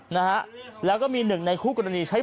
นะฮะแล้วก็มีหนึ่งในคู่ก